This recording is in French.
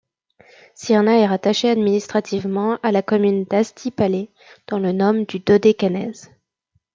Syrna est rattachée administrativement à la commune d’Astypalée dans le nome du Dodécanèse.